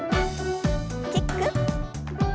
キック。